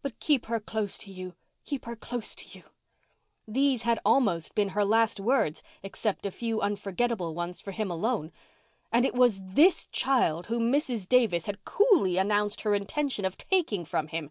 But keep her close to you—keep her close to you." These had been almost her last words except a few unforgettable ones for him alone. And it was this child whom Mrs. Davis had coolly announced her intention of taking from him.